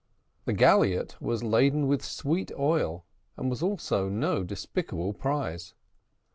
The galliot was laden with sweet oil, and was also no despicable prize.